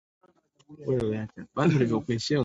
Hakuna yeyote sasa kati yao aliyekuwa na ujasiri wa